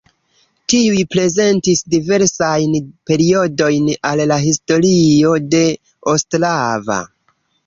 Tiuj prezentis diversajn periodojn el la historio de Ostrava.